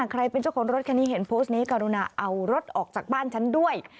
ใครเป็นเจ้าของรถคันนี้เห็นโพสต์นี้กรุณาเอารถออกจากบ้านฉันด้วย